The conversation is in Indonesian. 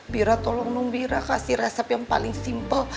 bi ira tolong dong bi ira kasih resep yang paling simpel